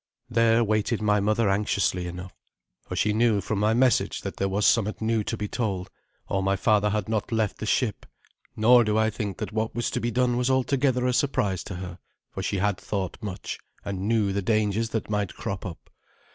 There waited my mother anxiously enough, for she knew from my message that there was somewhat new to be told, or my father had not left the ship. Nor do I think that what was to be done was altogether a surprise to her, for she had thought much, and knew the dangers that might crop up.